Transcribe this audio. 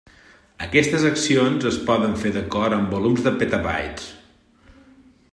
Aquestes accions es poden fer d'acord amb volums de petabytes.